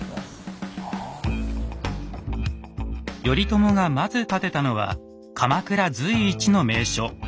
頼朝がまず建てたのは鎌倉随一の名所